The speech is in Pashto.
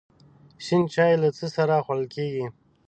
شین چای له څه سره خوړل کیږي؟